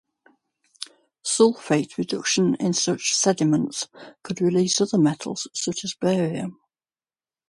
Sulfate reduction in such sediments could release other metals such as barium.